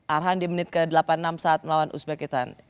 arhan di menit ke delapan puluh enam saat melawan uzbekistan